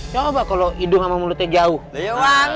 coba kalau hidung sama mulut ente tuh deketan dan dihapus